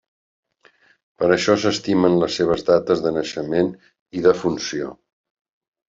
Per això s'estimen les seves dates de naixement i defunció.